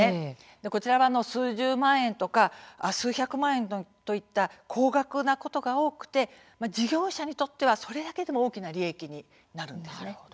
こちらは数十万円とか数百万円といった高額なことが多くて事業者にとってはそれだけでも大きな利益になるんです。